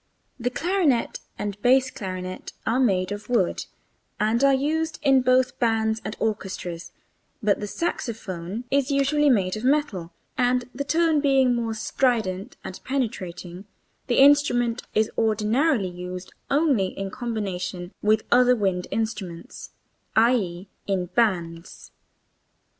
The clarinet and bass clarinet are made of wood and are used in both bands and orchestras, but the saxophone is usually made of metal, and, the tone being more strident and penetrating, the instrument is ordinarily used only in combination with other wind instruments, i.e., in bands.